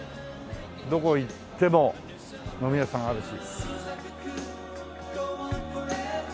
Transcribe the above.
どこ行っても飲み屋さんあるし。